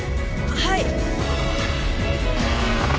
はい。